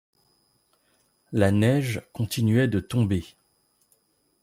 La neige continuait de tomber.